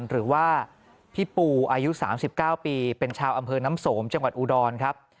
หรือว่าพี่ปูอายุ๓๙ปีเป็นชาวอำเภอน้ำสมจังหวัดอุดรครับ